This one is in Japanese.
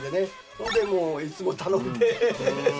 それでもういつも頼んで。